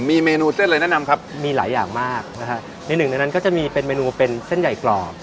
มีเมนูเส้นอะไรแนะนำครับมีหลายอย่างมากนะฮะในหนึ่งในนั้นก็จะมีเป็นเมนูเป็นเส้นใหญ่กรอบ